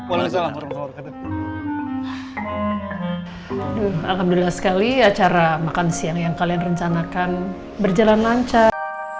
alhamdulillah sekali acara makan siang yang kalian rencanakan berjalan lancar